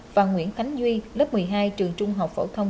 và nguyễn khánh duy lớp một mươi hai trường trung học phổ thông